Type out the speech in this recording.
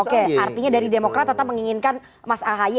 oke artinya dari demokrasi tetap menginginkan mas ahi